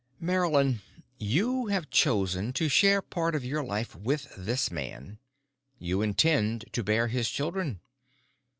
"Marylyn, you have chosen to share part of your life with this man. You intend to bear his children.